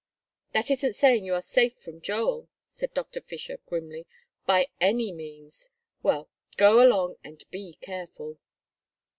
"That isn't saying you are safe from Joel," said Doctor Fisher, grimly, "by any means. Well, go along and be careful."